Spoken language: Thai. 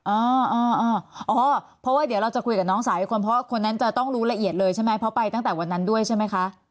อ๋ออ๋อเพราะว่าเดี๋ยวเราจะคุยกับน้องสาวอีกคนเพราะคนนั้นจะต้องรู้ละเอียดเลยใช่ไหมเพราะไปตั้งแต่วันนั้นด้วยใช่ไหมคะ